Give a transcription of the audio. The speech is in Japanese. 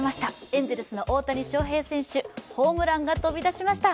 エンゼルスの大谷翔平選手、ホームランが飛び出しました。